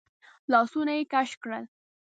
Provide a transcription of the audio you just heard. لاسونه يې کش کړل.